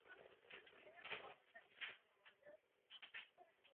Slyšíme, že tato smlouva bude velmi prospěšná.